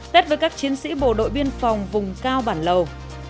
đất với các chiến sĩ bộ đội biên phòng vùng cao bản lầu